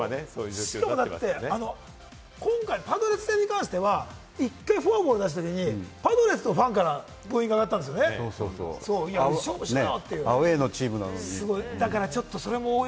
しかも今回、パドレス戦に関しては一回、フォアボールに出したときにパドレスのファンからブーイングが上がったんですよね、勝負してよ！